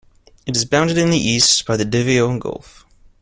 It is bounded in the east by the Davao Gulf.